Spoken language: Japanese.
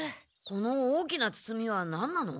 この大きなつつみはなんなの？